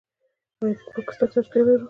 آیا موږ پاکستان ته اړتیا لرو؟